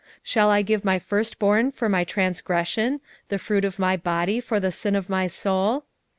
shall I give my firstborn for my transgression, the fruit of my body for the sin of my soul?